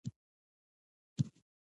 خامک ګنډل څومره ګران دي؟